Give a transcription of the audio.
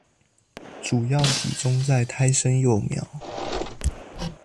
主要集中在胎生幼苗